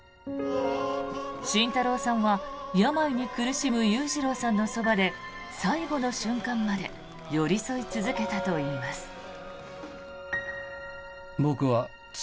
慎太郎さんは病に苦しむ裕次郎さんのそばで最後の瞬間まで寄り添い続けたといいます。